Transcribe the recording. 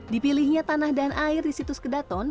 dipilihnya tanah dan air di situs kedaton